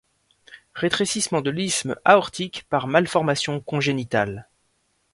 Rétrécissement de l'isthme aortique par malformation congénitale.